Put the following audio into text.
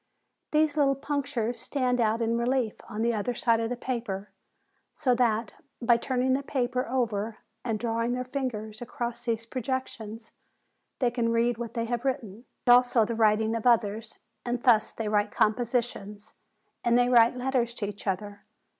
These little punctures stand out in relief on the other side of the paper, so that, by turning the paper over and drawing their fingers across these projections, they can read what they have written, and also the writing of others; and thus they write compositions : and they write let ters to each other.